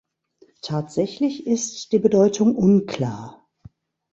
Tatsächlich ist die Bedeutung unklar.